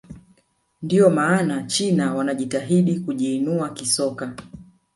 ndio maana china wanajitahidi kujiinua kisoka